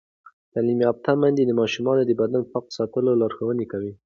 تعلیم یافته میندې د ماشومانو د بدن پاک ساتلو لارښوونه کوي.